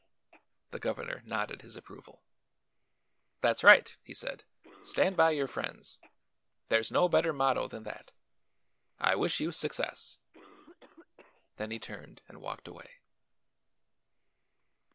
The governor nodded his approval. "That's right," he said. "Stand by your friends. There's no better motto than that. I wish you success." Then he turned and walked away.